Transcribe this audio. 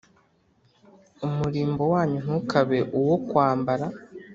Umurimbo wanyu ntukabe uwo kwambara